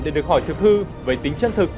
để được hỏi thực hư về tính chân thực